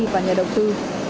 và nhà đầu tư